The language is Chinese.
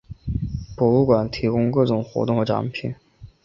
博物馆提供各种活动和展品。